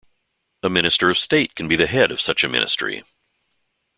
A minister of state can be the head of such a ministry.